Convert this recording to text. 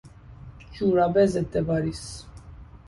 جوراب ضد واریس